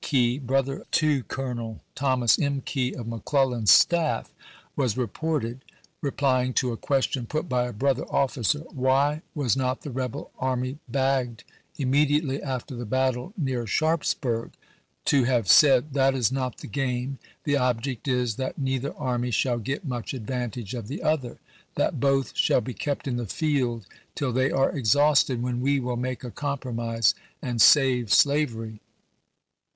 Key, brother to Colonel Thomas M. Key of McClellan's staff, was reported, replying to a question put by a brother officer, " Why was not the rebel army bagged immediately after the battle near Sharpsburg 1 " to have said, " That is not the game; the object is that neither army shall get much advantage of the other ; that both shall be kept in the field till they are exhausted, when we will make a compromise and save slavery."